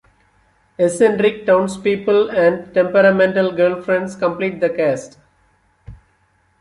Eccentric townspeople and temperamental girlfriends complete the cast.